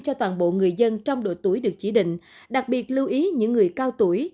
cho toàn bộ người dân trong độ tuổi được chỉ định đặc biệt lưu ý những người cao tuổi